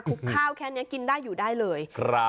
ข้าวแค่นี้กินได้อยู่ได้เลย